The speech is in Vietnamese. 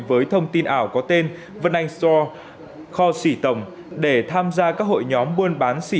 với thông tin ảo có tên vân anh store kho sỉ tổng để tham gia các hội nhóm buôn bán sỉ lẻ